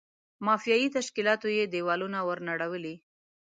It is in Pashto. مافیایي تشکیلاتو یې دېوالونه ور نړولي.